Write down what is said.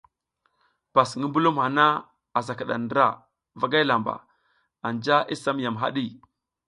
Pas ngi mbulum hana asa kiɗa ndra vagay lamba, anja i sam yam haɗi.